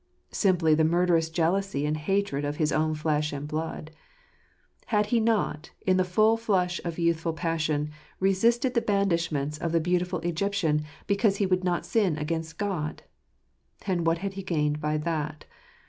Simply the murderous jealousy and hatred of his own flesh and blood. Had he not, in the full flush of youthful passion, resisted the blandishments of the beautiful Egyptian, because he would not sin against God? And what had he gained by that?